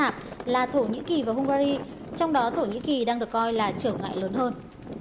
những nước nạp là thổ nhĩ kỳ và hungary trong đó thổ nhĩ kỳ đang được coi là trở ngại lớn hơn